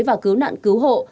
và cứu nạn cứu hộ